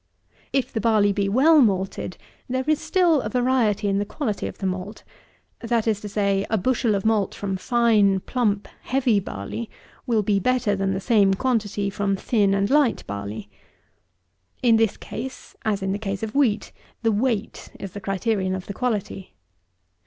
If the barley be well malted, there is still a variety in the quality of the malt; that is to say, a bushel of malt from fine, plump, heavy barley, will be better than the same quantity from thin and light barley. In this case, as in the case of wheat, the weight is the criterion of the quality.